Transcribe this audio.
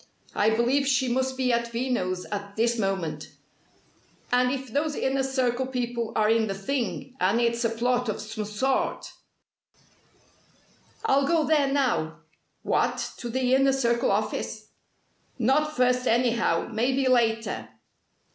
I believe she must be at Veno's at this moment. And if those Inner Circle people are in the thing, and it's a plot of some sort " "I'll go there now!" "What, to the Inner Circle office?" "Not first, anyhow. Maybe later.